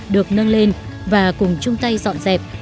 được nâng lên và cùng chung tay dọn dẹp